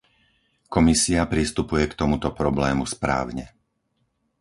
Komisia pristupuje k tomuto problému správne.